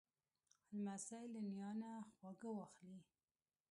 لمسی له نیا نه خواږه واخلې.